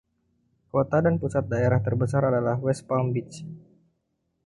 Kota dan pusat daerah terbesar adalah West Palm Beach.